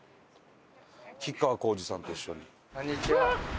吉川晃司さんと一緒に。